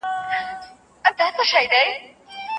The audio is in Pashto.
هغې په ډېرې مېړانې سره ځواب ورکاوه.